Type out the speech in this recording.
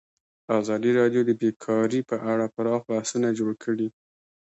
ازادي راډیو د بیکاري په اړه پراخ بحثونه جوړ کړي.